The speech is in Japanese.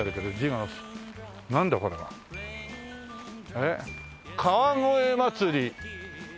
えっ「川越まつり」